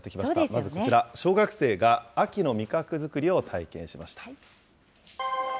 まずこちら、小学生が秋の味覚作りを体験しました。